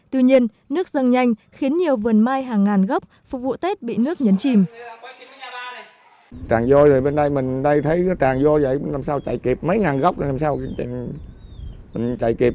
tuy nhiên nước dâng nhanh khiến nhiều vườn mai hàng ngàn gốc phục vụ tết bị nước nhấn chìm